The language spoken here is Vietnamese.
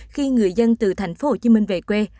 khi người dân từ thành phố hồ chí minh về quê